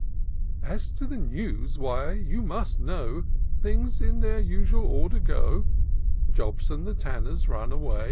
" As to the news, why, you must know, Things in their usual order go: Jobson the Tanner's run away.